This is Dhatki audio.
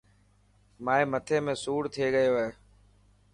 مائي مثي ۾ سوڙ ٿي گيو هي.